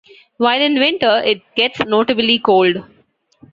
While in winter, it gets notably cold.